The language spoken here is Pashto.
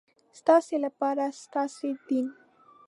ستاسې لپاره ستاسې دین.